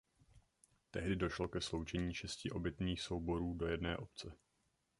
Tehdy došlo ke sloučení šesti obytných souborů do jedné obce.